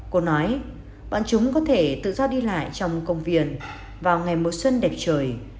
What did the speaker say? cô nói bọn chúng có thể tự do đi lại trong công viên vào ngày mùa xuân đẹp trời